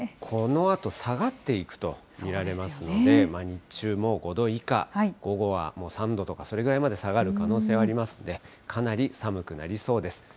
このあと下がっていくと見られますので、日中も５度以下、午後はもう３度とか、それぐらいまで下がる可能性がありますので、かなり寒くなりそうです。